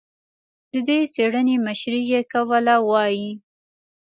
د دې څېړنې مشري یې کوله، وايي